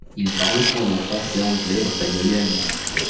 Il parle couramment français, anglais, espagnol et allemand.